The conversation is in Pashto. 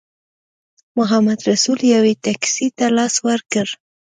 محمدرسول یوې ټیکسي ته لاس ورکړ.